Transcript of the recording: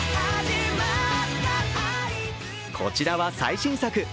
こちらは最新作。